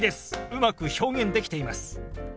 うまく表現できています。